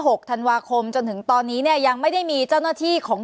หกธันวาคมจนถึงตอนนี้เนี่ยยังไม่ได้มีเจ้าหน้าที่ของ